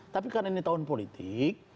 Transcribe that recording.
tapi karena ini tahun politik